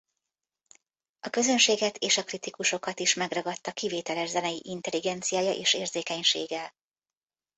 A közönséget és a kritikusokat is megragadta kivételes zenei intelligenciája és érzékenysége.